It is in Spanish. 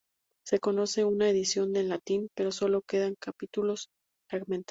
Se conoce una edición en latín, pero solo quedan capítulos fragmentados.